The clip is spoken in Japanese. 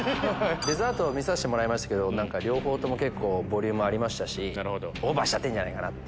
デザート見ましたけど両方ボリュームありましたしオーバーしちゃってんじゃないかなって。